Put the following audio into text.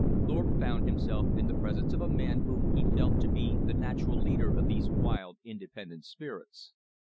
Thorpe found himself in the presence of a man whom he felt to be the natural leader of these wild, independent spirits.